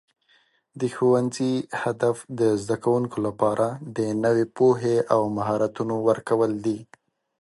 د ښوونځي هدف د زده کوونکو لپاره د نوي پوهې او مهارتونو ورکول دي.